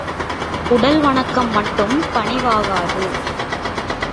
உடல் வணக்கம் மட்டும் பணிவாகாது.